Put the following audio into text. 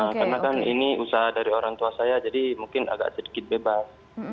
karena kan ini usaha dari orang tua saya jadi mungkin agak sedikit bebas